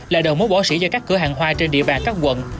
là đầu mối bỏ sỉ cho các cửa hàng hoa trên địa bàn các quận